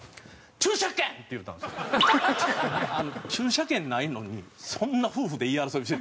駐車券ないのにそんな夫婦で言い争いしてたんやと思って。